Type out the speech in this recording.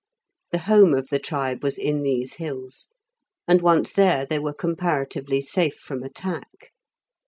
The home of the tribe was in these hills, and once there they were comparatively safe from attack.